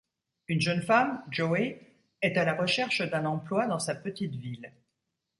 Une jeune femme, Joey est à la recherche d'un emploi dans sa petite ville.